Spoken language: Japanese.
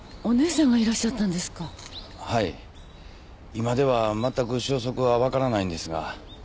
今ではまったく消息は分からないんですが。